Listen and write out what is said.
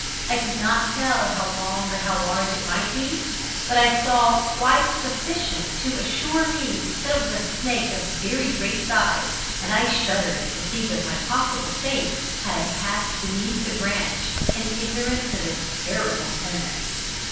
I could not tell how long or large it might be, but I saw quite sufficient to assure me that it was a snake of very great size, and I shuddered to think of my possible fate had I passed beneath the branch in ignorance of its terrible tenant.